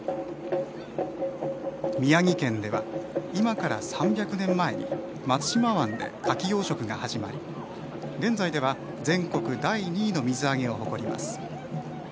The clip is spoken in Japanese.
宮城県では今から３００年前に松島湾でかき養殖が始まり現在では全国第２位の水揚げを誇ります。